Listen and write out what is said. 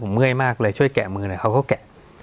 เมื่อยมากเลยช่วยแกะมือหน่อยเขาก็แกะ